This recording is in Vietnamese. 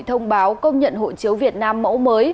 thông báo công nhận hộ chiếu việt nam mẫu mới